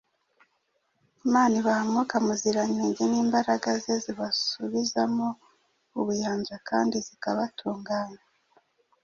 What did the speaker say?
Imana ibaha Mwuka Muziranenge n’imbaraga ze zibasubizamo ubuyanja kandi zikabatunganya.